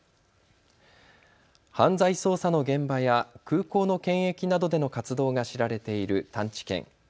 犯罪捜査の現場や空港の検疫などでの活動が知られている探知犬。